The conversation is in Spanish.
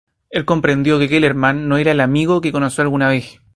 Él comprendió que Kellerman no era el amigo que conoció alguna vez.